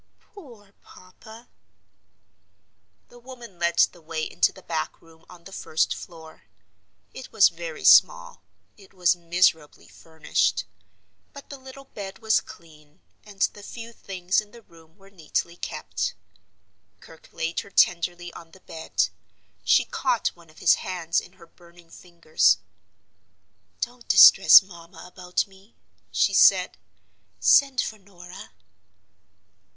Poor papa!" The woman led the way into the back room on the first floor. It was very small; it was miserably furnished. But the little bed was clean, and the few things in the room were neatly kept. Kirke laid her tenderly on the bed. She caught one of his hands in her burning fingers. "Don't distress mamma about me," she said. "Send for Norah."